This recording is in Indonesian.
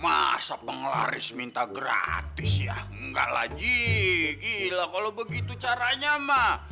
masa penglaris minta gratis ya enggak lagi gila kalau begitu caranya mah